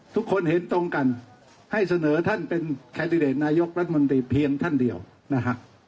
ทุกคนเห็นตรงกันให้เสนอท่านเป็นแคนดิเดตนายกรัฐมนตรีเพียงท่านเดียวนะฮะ